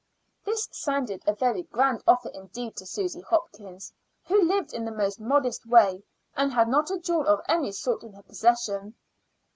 This sounded a very grand offer indeed to Susy Hopkins, who lived in the most modest way, and had not a jewel of any sort in her possession.